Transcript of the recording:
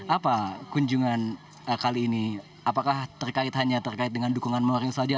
apa kunjungan kali ini apakah terkait hanya dengan dukungan menteri sosial indar parawansa